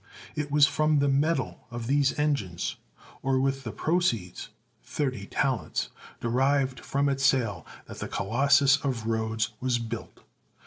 It was from the metal of these engines, or with the proceeds, thirty talents, derived from its sale, that the Colossus of Rhodes was built.